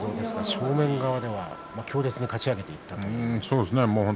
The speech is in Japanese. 正面側では強烈にかち上げていきましたね。